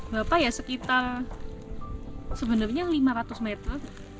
bapak ya sekitar sebenarnya lima ratus meter